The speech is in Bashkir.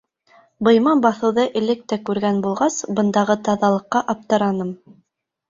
Быйма баҫыуҙы элек тә күргән булғас, бындағы таҙалыҡҡа аптыраным.